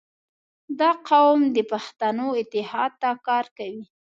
• دا قوم د پښتنو اتحاد ته کار کوي.